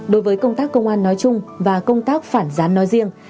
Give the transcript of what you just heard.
đối với công tác công an nói chung và công tác phản gián nói riêng